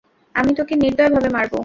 আমি তোকে নির্দয়ভাবে মারব।